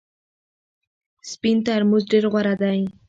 سپین ترموز ډېر غوره دی .